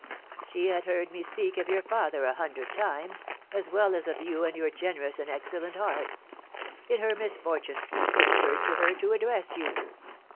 "She had heard me speak of your father a hundred times, as well as of you and your generous and excellent heart. In her misfortune, it occurred to her to address you."